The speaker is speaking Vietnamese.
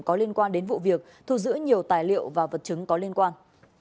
có liên quan đến vụ việc thu giữ nhiều tài liệu và vật chứng có liên quan